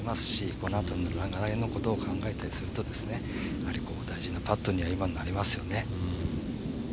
このあとの流れのことを考えたりすると大事なパットには今のはなりますよね。